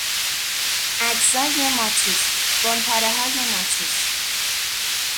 اجزای ماتریس، بنپارههای ماتریس